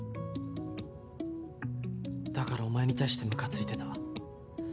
だからお前に対してムカついてた。